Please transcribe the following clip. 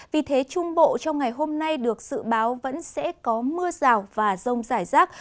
vì thế trung bộ trong ngày hôm nay được dự báo vẫn sẽ có mưa rào và rông rải rác